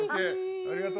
ありがとう。